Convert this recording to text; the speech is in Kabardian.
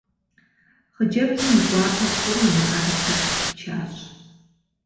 Хъыджэбзым и гуапэ хъури мыӏэрысэр къыпичащ.